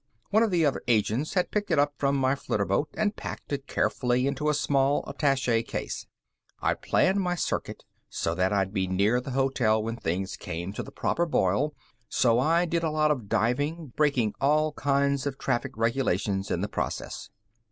One of the other agents had picked it up from my flitterboat and packed it carefully into a small attaché case. I'd planned my circuit so that I'd be near the hotel when things came to the proper boil, so I did a lot of diving, breaking all kinds of traffic regulations in the process.